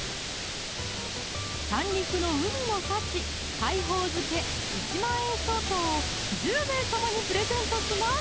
三陸の海の幸「海宝漬」１万円相当を１０名様にプレゼントします